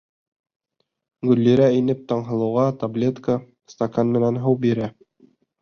Гөллирә инеп Таңһылыуға таблетка, стакан менән һыу бирә.